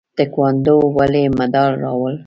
تکواندو ولې مډال راوړ؟